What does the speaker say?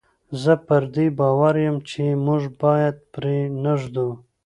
زه پر دې باور یم چې موږ باید پرې نه ږدو.